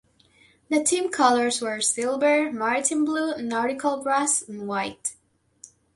The team colours were silver, maritime blue, nautical brass, and white.